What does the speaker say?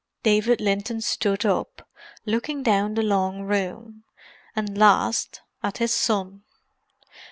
'" David Linton stood up, looking down the long room, and last, at his son.